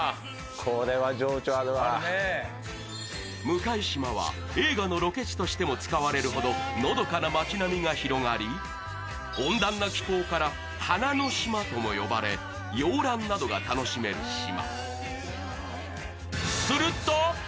向島は映画のロケ地としても使われるほどのどかな町並みが広がり温暖な気候から花の島とも呼ばれ、洋らんなどが楽しめる島。